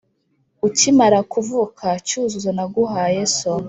Ukimara kuvuka Cyuzuzo naguhaye so